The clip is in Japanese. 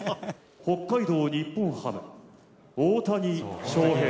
北海道日本ハム、大谷翔平。